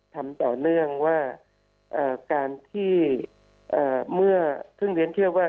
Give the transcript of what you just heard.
ทำต่อเนื่องว่าเมื่อเครื่องเรียนเชื่อว่า